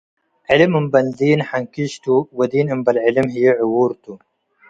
ዕልም እምበል ዲን ሐንኪሽ ቱ፡ ወዲን እምበል ዕልም ህዬ ዕዉርቱ